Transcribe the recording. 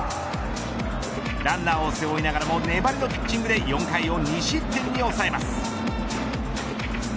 ランナーを背負いながらも粘りのピッチングで４回を２失点に抑えます。